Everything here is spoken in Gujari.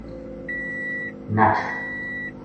نٹھ